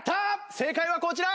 正解はこちら。